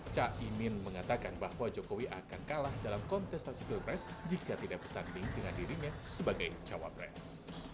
caimin mengatakan bahwa jokowi akan kalah dalam kontestasi pilpres jika tidak bersanding dengan dirinya sebagai cawapres